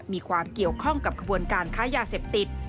มีความเกี่ยวข้องกับขบวนการค้ายาเสพติด